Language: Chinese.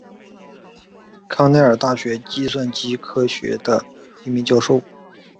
康奈尔大学计算机科学的一名教授。